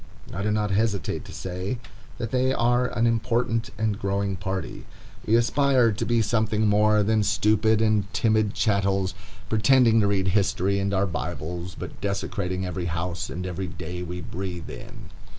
I do not hesitate to say that they are an important and growing party. We aspire to be something more than stupid and timid chattels, pretending to read history and our bibles, but desecrating every house and every day we breathe in.